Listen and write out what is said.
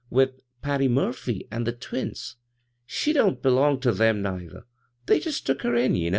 " With Patty Murphy an' the twins. She don't be long ter them, neither. They jest took her in, ye know."